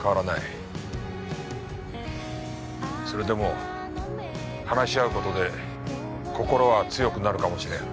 それでも話し合う事で心は強くなるかもしれん。